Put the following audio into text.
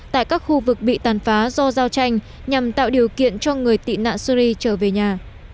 tại các khu vực bị tàn phá do giao tranh nhằm tạo điều kiện cho người tị nạn syri trở về nhà